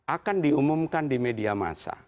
akan diumumkan di media masa